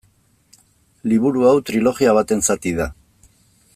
Liburu hau trilogia baten zati da.